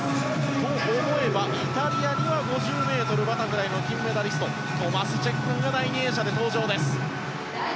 と思えばイタリアには５０ｍバタフライの金メダリストトマス・チェッコンが第２泳者で登場です。